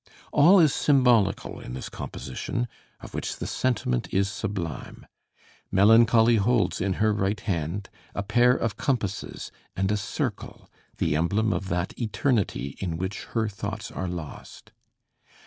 All is symbolical in this composition, of which the sentiment is sublime. Melancholy holds in her right hand a pair of compasses and a circle, the emblem of that eternity in which her thoughts are lost.